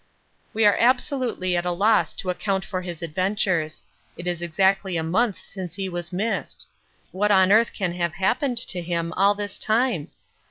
We are absolutely at a loss to account for his adventures. It is exactly a month since he was missed what on earth can have happened to him all this time?